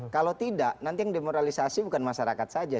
kalau tidak nanti yang demoralisasi bukan masyarakat saja